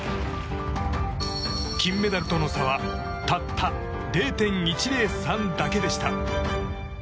金メダルとの差はたった０．１０３だけでした。